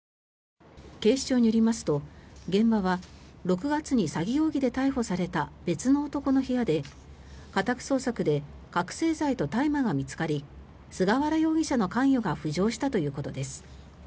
警視庁によりますと現場は６月に詐欺容疑で逮捕された別の男の部屋で家宅捜索で覚醒剤と大麻が見つかり菅原容疑者の関与が浮上したということです。